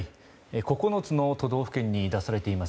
９つの都道府県に出されています